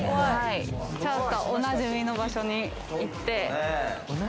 ちょっとお馴染みの場所に行って。